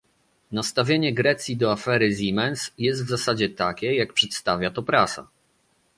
Nastawienie w Grecji do afery Siemens jest w zasadzie takie, jak przedstawia to prasa